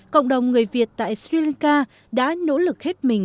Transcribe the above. cộng đồng người việt tại sri lanka đã nỗ lực